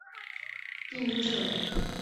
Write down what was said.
属定襄都督府。